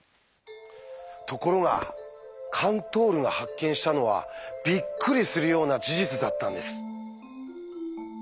ところがカントールが発見したのはびっくりするような事実だったんです。